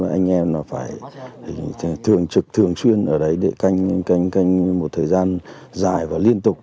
anh em phải thường trực thường xuyên ở đấy để canh một thời gian dài và liên tục